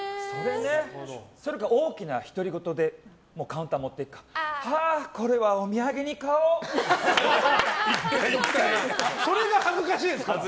それか大きな独り言でカウンターに持っていっては、これはそれが恥ずかしいですから。